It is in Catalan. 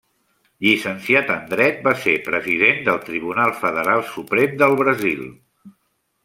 Llicenciat en dret, va ser president del Tribunal Federal Suprem del Brasil.